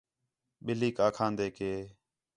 ٻِلّھیک آکھاندے کہ